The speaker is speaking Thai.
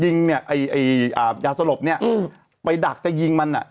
ยิงเนี่ยแยศรพไปดักจากจากยิงมัน